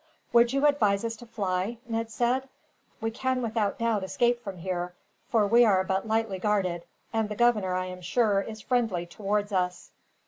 "Would you advise us to fly?" Ned said. "We can without doubt escape from here, for we are but lightly guarded; and the governor, I am sure, is friendly towards us."